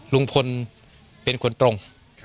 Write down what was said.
ลุงพลเป็นคนตรง